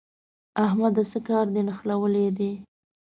احمده! څه کار دې نښلولی دی؟